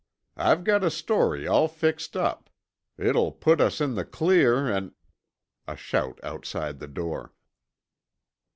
"I've got a story all fixed up. It'll put us in the clear an' " A shout outside the door.